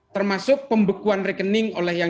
termasuk pembekuan rekening yang